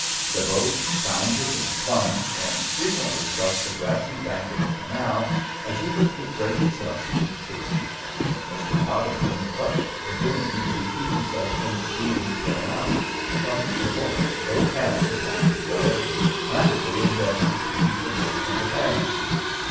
The boat bounded, and plunged, and frequently struck the grassy bank of the canal, as if it would break itself to pieces. Mr. Podington clutched the boom to keep himself from being thrown out, while Mr. Buller, both hands upon the tiller, frantically endeavored to keep the boat from the bank.